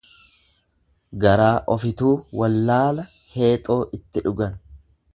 Garaa ofituu wallaala heexoo itti dhugan.